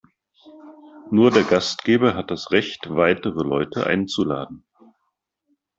Nur der Gastgeber hat das Recht, weitere Leute einzuladen.